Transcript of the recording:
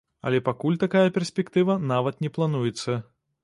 Але пакуль такая перспектыва нават не плануецца.